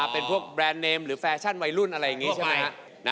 เป็นพวกแบรนด์เนมหรือแฟชั่นวัยรุ่นอะไรอย่างนี้ใช่ไหมครับ